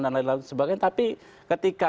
dan lain sebagainya tapi ketika